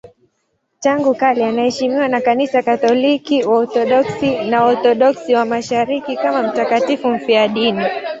Tangu kale anaheshimiwa na Kanisa Katoliki, Waorthodoksi na Waorthodoksi wa Mashariki kama mtakatifu mfiadini.